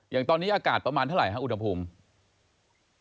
อย่างตอนนี้อากาศประมาณเท่าไหร่ครับอุณหภูมิ